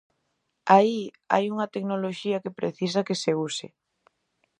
Aí hai unha tecnoloxía que precisa que se use.